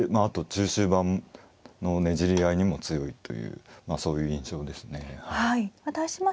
あと中終盤のねじり合いにも強いというそういう印象ですね。